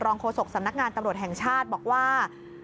โฆษกสำนักงานตำรวจแห่งชาติบอกว่า